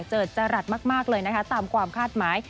จรัสมากเลยนะคะตามความคาดหมาย